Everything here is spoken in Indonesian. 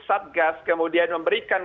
satgas kemudian memberikan